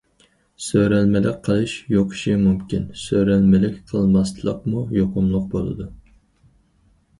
سۆرەلمىلىك قىلىش يۇقۇشى مۇمكىن، سۆرەلمىلىك قىلماسلىقمۇ‹‹ يۇقۇملۇق›› بولىدۇ.